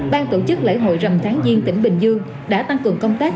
ban tổ chức lễ hội rầm tháng diên tỉnh bình dương đã tăng cường công tác